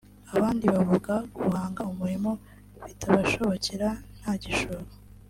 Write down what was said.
abandi bakavuga guhanga umurimo bitabashobokera nta gishoro